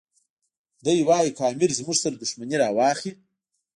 دی وایي که امیر زموږ سره دښمني راواخلي.